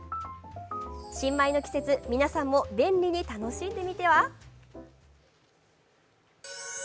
新米の季節、皆さんも便利に楽しんでみては？